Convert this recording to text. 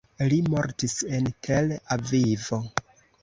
Li mortis en Tel-Avivo.